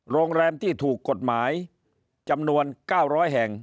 โรงแรมที่ถูกกฎหมายจำนวน๙๐๐แห่ง